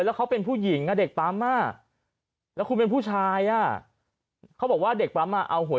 ว่าเขาเป็นผู้หญิงดันตามานางแล้วคุณเป็นผู้ชายอ่ะอ่ะเขาบอกว่าเด็กมั้ยมาเอาหัว